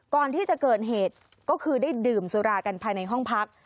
ก่อนที่จะเกิดเหตุก็คือได้ดื่มสุรากันภายในห้องพัก